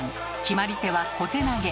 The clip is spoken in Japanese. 決まり手は「小手投げ」。